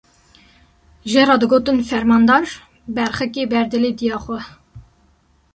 Jê re digotin fermandar, berxikê ber dilê dêya xwe.